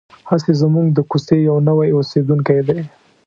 هسې زموږ د کوڅې یو نوی اوسېدونکی دی.